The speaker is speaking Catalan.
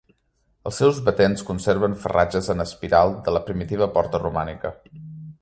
Els seus batents conserven farratges en espiral de la primitiva porta romànica.